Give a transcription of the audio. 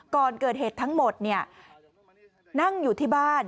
ก่อนเกิดเหตุทั้งหมดนั่งอยู่ที่บ้าน